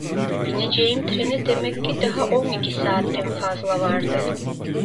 Bineceğim trene demek ki daha on iki saatten fazla vardı.